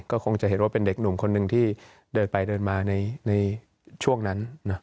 ก็คงจะเห็นว่าเป็นเด็กหนุ่มคนหนึ่งที่เดินไปเดินมาในช่วงนั้น